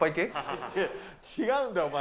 違うんだ、お前。